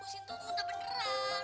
usin itu beneran